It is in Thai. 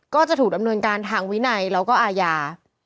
ก็จะถูกดำเนินการทางวินัยแล้วก็อาญา